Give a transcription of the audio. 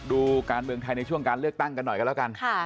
ดูการเมืองไทยในช่วงการเลือกตั้งกันหน่อยกันแล้วกัน